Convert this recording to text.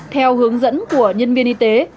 theo hướng dẫn của nhân viên y tế